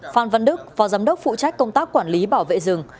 phan văn đức phó giám đốc phụ trách công tác quản lý bảo vệ rừng